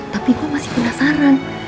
tapi gue masih penasaran